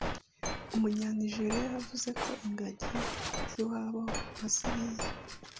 Umunyanijeriya yavuze ko ingagi z’iwabo baziriye